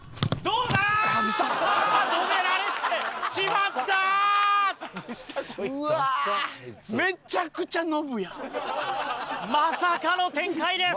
まさかの展開です。